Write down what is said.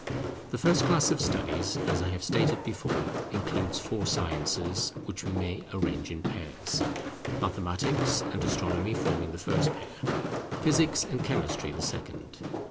The first class of studies, as I have stated before, includes four sciences which we may arrange in pairs: Mathematics and Astronomy forming the first pair; Physics and Chemistry the second.